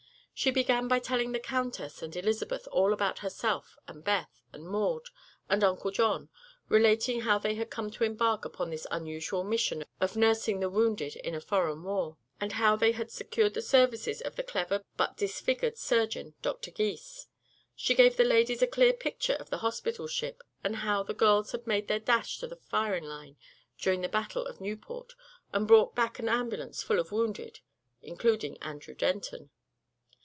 She began by telling the countess and Elizabeth all about herself and Beth and Maud and Uncle John, relating how they had come to embark upon this unusual mission of nursing the wounded of a foreign war, and how they had secured the services of the clever but disfigured surgeon, Dr. Gys. She gave the ladies a clear picture of the hospital ship and told how the girls had made their dash to the firing line during the battle of Nieuport and brought back an ambulance full of wounded including Andrew Denton.